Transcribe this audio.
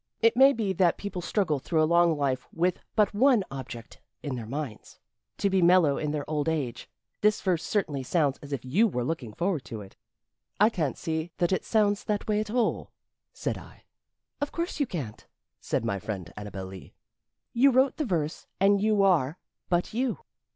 It maybe that people struggle through a long life with but one object in their minds to be mellow in their old age. This verse certainly sounds as if you were looking forward to it." "I can't see that it sounds that way, at all," said I. "Of course you can't," said my friend Annabel Lee. "You wrote the verse, and you are but you."